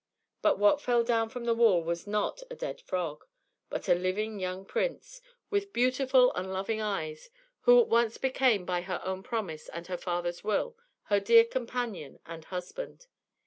But what fell down from the wall was not a dead frog, but a living young prince, with beautiful and loving eyes, who at once became, by her own promise and her father's will, her dear companion and husband.